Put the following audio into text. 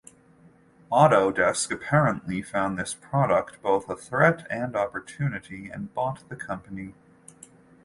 Autodesk apparently found this product both a threat and opportunity and bought the company.